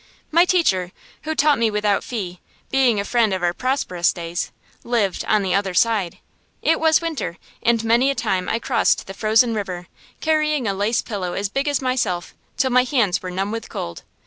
My teacher, who taught me without fee, being a friend of our prosperous days, lived "on the other side." It was winter, and many a time I crossed the frozen river, carrying a lace pillow as big as myself, till my hands were numb with cold.